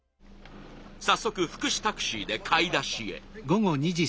早速福祉タクシーで買い出しへ。